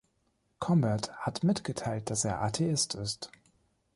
Combat hat mitgeteilt, dass er Atheist ist.